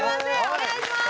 お願いします！